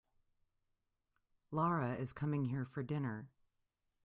Lara is coming here for dinner.